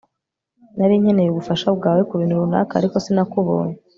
Nari nkeneye ubufasha bwawe kubintu runaka ariko sinakubonye